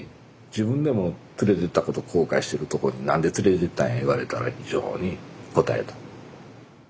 自分でも連れてったこと後悔してるとこに何で連れてったんや言われたら非常にこたえた。